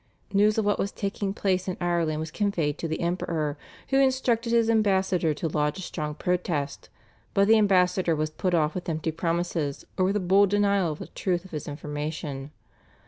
News of what was taking place in Ireland was conveyed to the Emperor, who instructed his ambassador to lodge a strong protest, but the ambassador was put off with empty promises or with a bold denial of the truth of his information.